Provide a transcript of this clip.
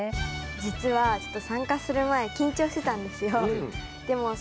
実はちょっと参加する前緊張してたんですよ。